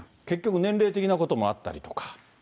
結局年齢的なこともあったりとか。